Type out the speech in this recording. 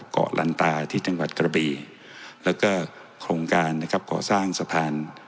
เกาะลันตาที่จังหวัดกระบีแล้วก็โครงการนะครับก่อสร้างสะพาน